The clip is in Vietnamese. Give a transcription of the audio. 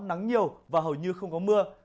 nắng nhiều và hầu như không có mưa